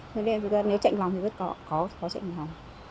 thế nên thực ra nếu chạy lòng thì vẫn có chạy lòng